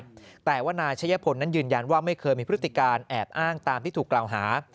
แต่ว่านายชะยะพลนั้นยืนยันว่าไม่เคยมีพฤติการแอบอ้างตามที่ถูกกล่าวหา